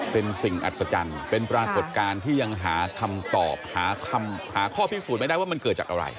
เป็นสิ่งอัศจรรย์เป็นปรากฏการณ์ที่ยังหาคำตอบหาข้อพิสูจน์ไม่ได้ว่ามันเกิดจากอะไร